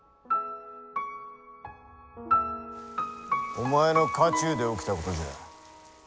お前の家中で起きたことじゃ。